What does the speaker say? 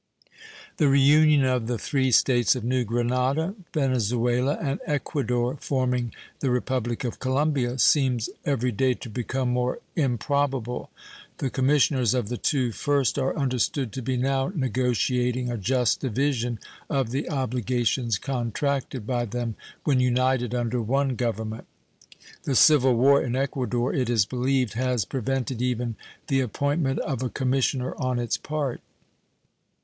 The reunion of the three States of New Grenada, Venezuela, and Equador, forming the Republic of Colombia, seems every day to become more improbable. The commissioners of the two first are understood to be now negotiating a just division of the obligations contracted by them when united under one government. The civil war in Equador, it is believed, has prevented even the appointment of a commissioner on its part.